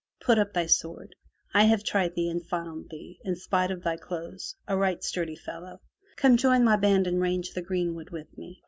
Put up thy sword. I have tried thee and found thee, in spite of thy clothes, a right sturdy fellow. Come, join my band and range the greenwood with me.